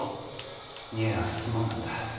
いやすまなんだ。